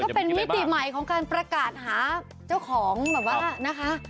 เป็นมิติใหม่ของการประกาศหาเจ้าของแบบว่านะคะ